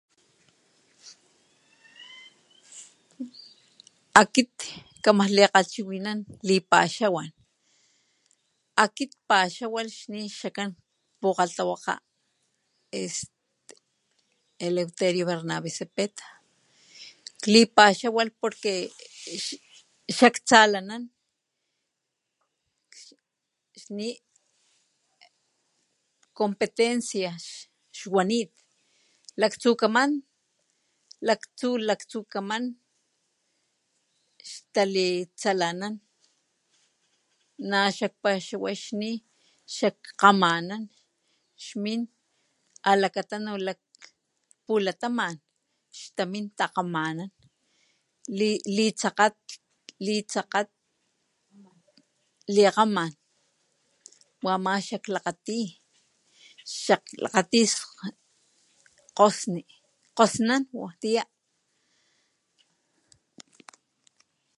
Akit kama likgalhchiwinan lipaxawan, akit kpaxawalh xni xakan pukgalhtawaka este Eleuterio Bernabe Zepeta klipaxawalh porque xak tsalanan xní competencia xwanit laktsukaman, laktsu, laktsukaman xtalitsalanan na xakpaxaway xni xak xakgamanan xmin alakatunu lak pulataman xtamín takgamanan li'litsakgat litsakgat likgaman wama xa klakgatí xak klakatí kgosní kgosnan watiya.